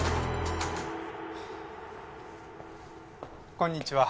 こんにちは。